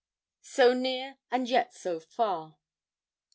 SO NEAR AND YET SO FAR.